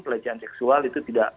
pelecehan seksual itu tidak